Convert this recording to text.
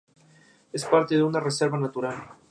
Todo se encaminaba bien.